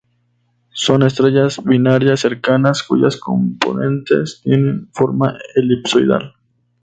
Son estrellas binarias cercanas cuyas componentes tienen forma elipsoidal.